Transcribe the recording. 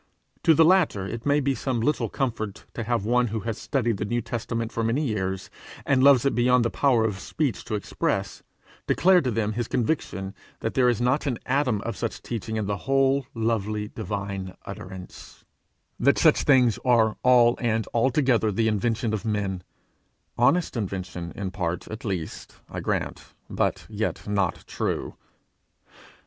To the latter it may be some little comfort to have one who has studied the New Testament for many years and loves it beyond the power of speech to express, declare to them his conviction that there is not an atom of such teaching in the whole lovely, divine utterance; that such things are all and altogether the invention of men honest invention, in part at least, I grant, but yet not true.